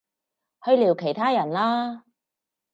去聊其他人啦